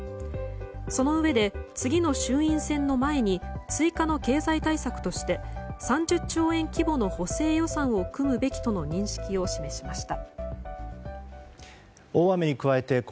そのうえで、次の衆院選の前に追加の経済対策として３０兆円規模の補正予算を組むべきとの認識を示しました。